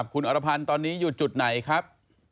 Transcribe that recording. คุณอรพันธ์ตอนนี้อยู่จุดไหนครับ